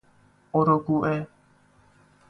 اروگوئه